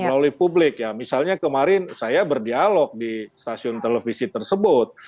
melalui publik ya misalnya kemarin saya berdialog di stasiun televisi tersebut